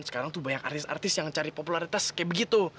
sekarang tuh banyak artis artis yang cari popularitas kayak begitu